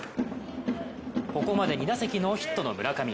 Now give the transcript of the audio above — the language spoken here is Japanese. ここまで２打席ノーヒットの村上。